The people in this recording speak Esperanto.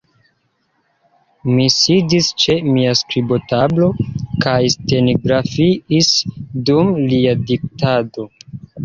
Mi sidis ĉe mia skribotablo, kaj stenografiis dum lia diktado.